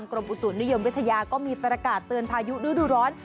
กรมอุตุนิยมวิทยาก็มีประกาศเตือนพายุฤดูร้อน